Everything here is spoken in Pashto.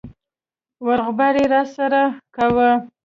روغبړ يې راسره کاوه.